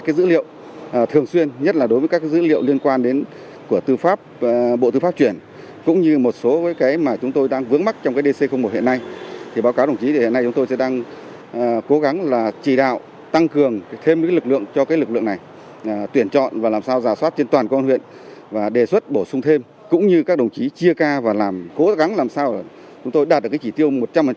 cũng như các đồng chí chia ca và cố gắng làm sao chúng tôi đạt được cái chỉ tiêu một trăm linh